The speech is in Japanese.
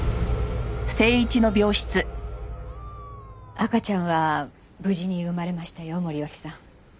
赤ちゃんは無事に生まれましたよ森脇さん。